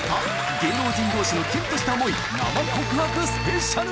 芸能人どうしのキュンとした想い、生告白スペシャル。